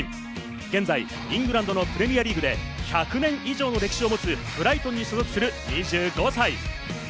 現在イングランドのプレミアリーグで１００年以上の歴史を持つ、ブライトンに所属する２５歳。